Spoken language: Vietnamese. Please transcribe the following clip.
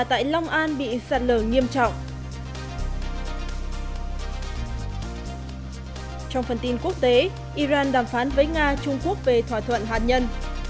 trong phần tin quốc tế iran đàm phán với nga trung quốc về thỏa thuận hạt nhân